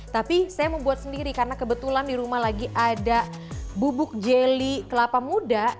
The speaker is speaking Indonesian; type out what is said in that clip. tapi saya membuat sendiri karena kebetulan di rumah lagi ada bubuk jeli kelapa muda